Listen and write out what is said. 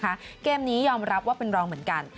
เพราะว่าเกมนี้ยอมรับว่าเป็นรองเหมือนกัน